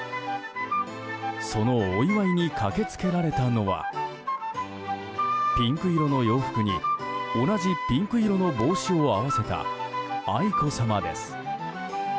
そのお祝いに駆け付けられたのはピンク色の洋服に同じピンク色の帽子を合わせた愛子さまです。